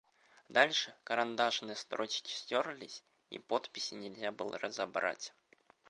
Дальше карандашные строчки стерлись, и подписи нельзя было разобрать.